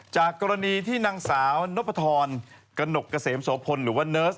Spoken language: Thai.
จากกรณีที่นางสาวนพธรกระหนกเกษมโสพลหรือว่าเนิร์ส